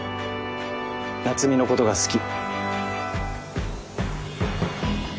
夏海のことが好き。